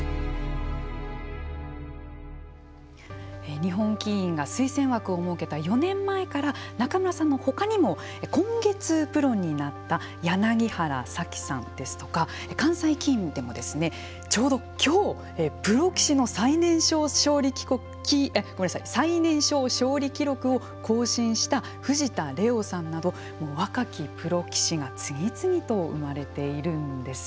日本棋院が推薦枠を設けた４年前から仲邑さんのほかにも今月プロになった原咲輝さんですとか関西棋院でもちょうど今日プロ棋士の最年少勝利記録を更新した藤田怜央さんなど若きプロ棋士が次々と生まれているんです。